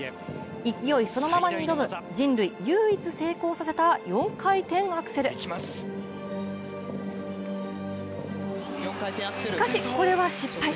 勢いそのままに挑む人類唯一成功させた４回転アクセルしかし、これは失敗。